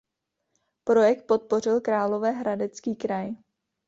Projekt podpořil Královéhradecký kraj.